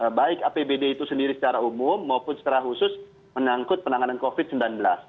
ya baik apbd itu sendiri secara umum maupun secara khusus menangkut penanganan covid sembilan belas